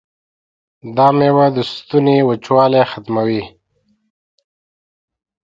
دا میوه د ستوني وچوالی ختموي.